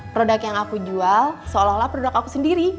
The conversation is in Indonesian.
produk yang aku jual seolah olah produk aku sendiri